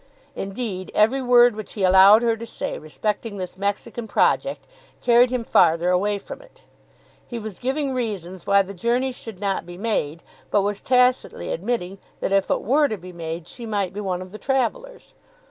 Indeed every word which he allowed her to say respecting this Mexican project carried him farther away from it. He was giving reasons why the journey should not be made; but was tacitly admitting that if it were to be made she might be one of the travellers.